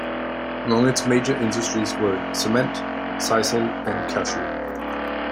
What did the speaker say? Among its major industries were cement, sisal and cashew.